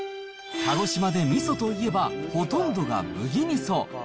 鹿児島でみそといえば、ほとんどが麦みそ。